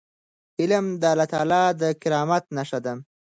علم د الله تعالی د کرامت نښه ده.